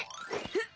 フッ！